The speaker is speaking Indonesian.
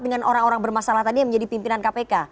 dengan orang orang bermasalah tadi yang menjadi pimpinan kpk